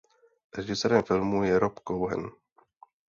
Režisérem filmu je Rob Cohen.